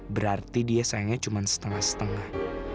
berarti dia sayangnya cuma setengah setengah